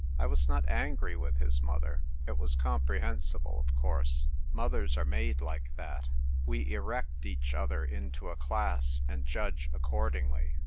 I was not angry with his mother ; it was comprehensible, of course ; mothers are made like that. We erect each other into a class, and judge accordingly.